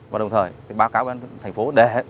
và đồng thời báo cáo ubnd thành phố